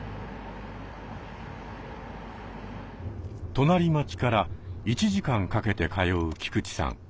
隣町から１時間かけて通う菊地さん。